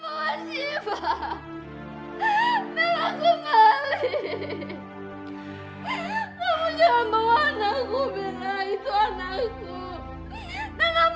mohon shiva melaku balik kamu jangan bawa anakku benar itu anakku dan